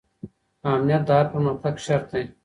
امنیت د هر پرمختګ شرط دی.